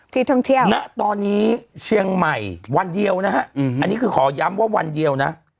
ที่ท่องเที่ยวณตอนนี้เชียงใหม่วันเดียวนะฮะอันนี้คือขอย้ำว่าวันเดียวนะ